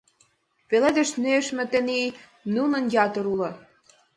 Пеледыш нӧшмӧ тений нунын ятыр уло.